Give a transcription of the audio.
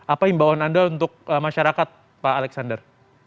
apa imbauan anda untuk masyarakat pak alexander